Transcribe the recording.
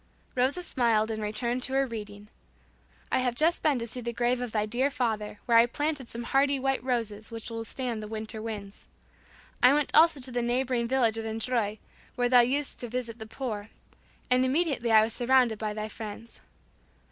Rosa smiled and returned to her reading. "I have just been to see the grave of thy dear father where I planted some hardy white roses which will stand the winter winds. I went also to the neighboring village of Endroit where thou usedst to visit the poor, and immediately I was surrounded by thy friends.